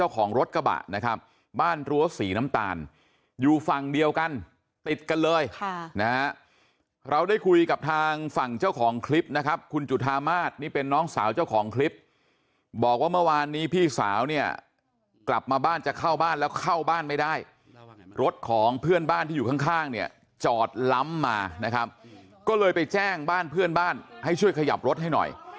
ของรถกระบะนะครับบ้านรั้วสีน้ำตาลอยู่ฝั่งเดียวกันติดกันเลยค่ะนะฮะเราได้คุยกับทางฝั่งเจ้าของคลิปนะครับคุณจุธามาศนี่เป็นน้องสาวเจ้าของคลิปบอกว่าเมื่อวานนี้พี่สาวเนี่ยกลับมาบ้านจะเข้าบ้านแล้วเข้าบ้านไม่ได้รถของเพื่อนบ้านที่อยู่ข้างเนี่ยจอดล้ำมานะครับก็เลยไปแจ้งบ้านเพื่อนบ้านให้ช่วยขยับรถให้หน่อย